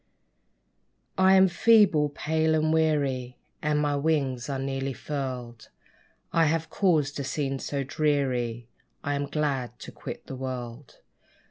I am feeble, pale and weary, And my wings are nearly furled. I have caused a scene so dreary, I am glad to quit the world.